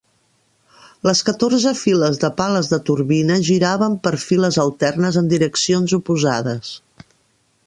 Les catorze files de pales de turbina giraven per files alternes en direccions oposades.